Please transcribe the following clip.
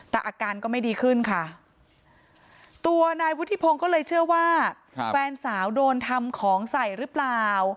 แต่อาการก็ไม่ดีขึ้นค่ะตัวนายวุฒิพงศ์ก็เลยเชื่อว่าแฟนสาวโดนทำของใส่หรือเปล่า